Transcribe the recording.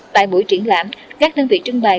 tại buổi triển lãm các đơn vị trưng bày